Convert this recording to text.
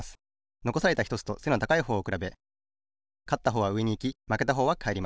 のこされたひとつと背の高いほうをくらべかったほうはうえにいきまけたほうはかえります。